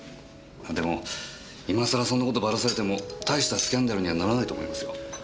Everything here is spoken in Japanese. でも今さらそんな事バラされても大したスキャンダルにはならないと思いますよ。